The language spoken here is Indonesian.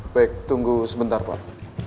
baik tunggu sebentar pak